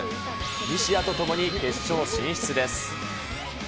西矢とともに決勝進出です。